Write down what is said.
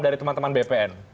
dari teman teman bpn